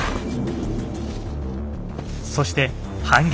そして反撃。